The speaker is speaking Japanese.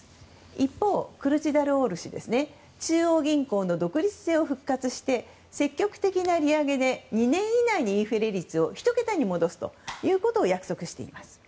一方、クルチダルオール氏は中央銀行の独立性を復活して積極的な利上げで２年以内にインフレ率を１桁に戻すということを約束しています。